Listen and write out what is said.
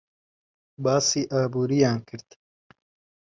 باسی ئابووریان کرد.